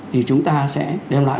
thì chúng ta sẽ đem lại